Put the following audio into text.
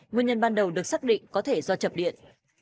nguyên nhân ban đầu được xác định có thể do chập điện